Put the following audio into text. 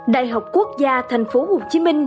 đại học quốc gia tp hcm